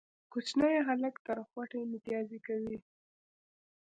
کوچنی هلک تر خوټه ميتيازې کوي